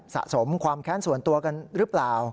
สะสมความแค้นส่วนตัวกันหรือเปล่า